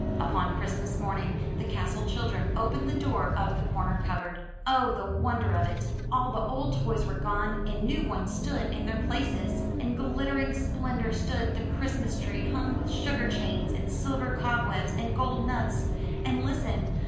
Upon Christmas morning the castle children opened the door of the corner cupboard. Oh, the wonder of it! All the old toys were gone, and new ones stood in their places. In glittering splendor stood the Christ mas tree hung with sugar chains, and silver cobwebs, and gold nuts. And listen!